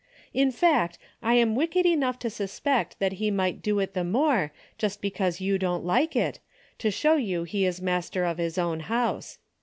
In fact, I am wicked enough to suspect that he might do it the more, just because you don't like it, to show you he is master of his own house.